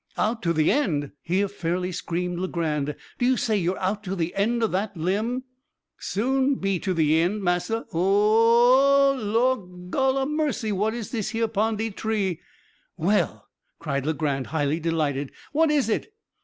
"Out to the end!" here fairly screamed Legrand; "do you say you are out to the end of that limb?" "Soon be to the eend, massa o o o o oh! Lor gol a mercy! what is dis here pon de tree?" "Well!" cried Legrand, highly delighted, "what is it?"